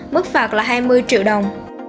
mức phạt là hai mươi triệu đồng